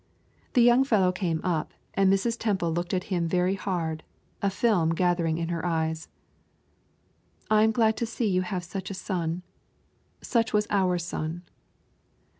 The young fellow came up, and Mrs. Temple looked at him very hard, a film gathering in her eyes. "I am glad you have such a son. Such was our son."